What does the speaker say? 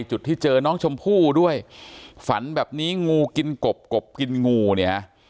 จุดที่เจอน้องชมพู่ด้วยฝันแบบนี้งูกินกบกบกินงูเนี่ยฮะ